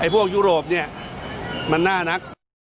พวกยุโรปมันน่านัก